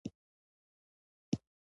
کویلیو د کورنۍ له فشارونو سره مخ شو.